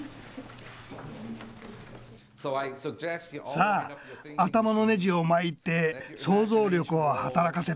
さあ頭のネジを巻いて想像力を働かせて。